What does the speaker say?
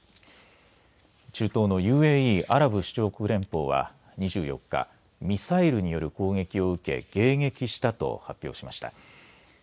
中東のＵＡＥアラブ首長国連邦は２４日ミサイルによる攻撃を受け迎撃したと発表しました。